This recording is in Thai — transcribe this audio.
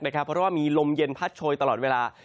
เพราะว่ามีลมเย็นพัดโชยตลอดเวลา